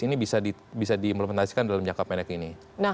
ini bisa diimplementasikan dalam jangka pendek ini